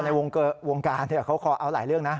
ในวงการเขาคอเอาหลายเรื่องนะ